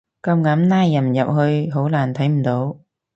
夾硬拉人入去好難睇唔到